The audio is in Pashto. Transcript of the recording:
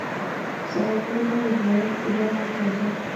سوالګر ته د باران اوبه هم تازه ښکاري